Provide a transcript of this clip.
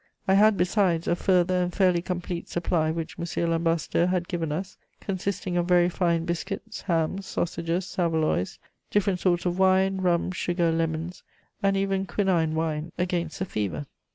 I had, besides, a further and fairly complete supply which M. l'Ambassadeur had given us, consisting of very fine biscuits, hams, sausages, saveloys, different sorts of wine, rum, sugar, lemons, and even quinine wine against the fever.